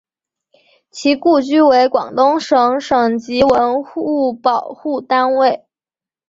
其故居为广东省省级文物保护单位。